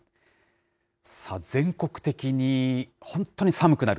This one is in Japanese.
全国的に本当に寒くなる。